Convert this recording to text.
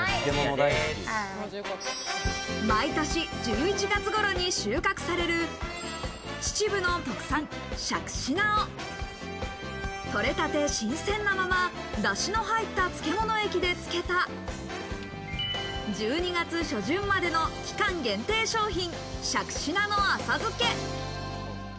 毎年１１月頃に収穫される秩父の特産・しゃくし菜を採れたて新鮮なまま、ダシの入った漬物液で漬けた、１２月初旬までの期間限定商品、しゃくし菜の浅漬け。